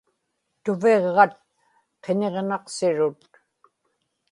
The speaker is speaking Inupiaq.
tuviġġat qiñiġnaqsirut